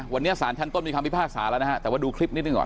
วันนี้สารชั้นต้นมีคำพิพากษาแล้วนะฮะแต่ว่าดูคลิปนิดหนึ่งก่อน